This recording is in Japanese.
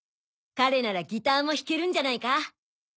彼ならギターも弾けるんじゃないか？